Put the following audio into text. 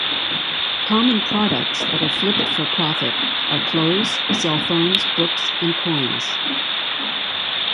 Common products that are flipped for profit are clothes, cell phones, books, and coins.